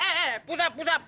eh eh pusap pusap